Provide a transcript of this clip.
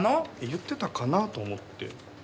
言ってたかなと思って。